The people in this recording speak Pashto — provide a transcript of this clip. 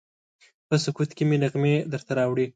په سکوت کې مې نغمې درته راوړي